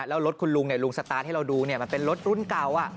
แล้วรถคุณลุงลุงสตาร์ทให้เราดูมันเป็นรถรุ่นเก่า